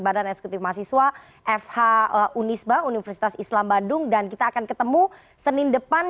badan eksekutif mahasiswa fh unisba universitas islam bandung dan kita akan ketemu senin depan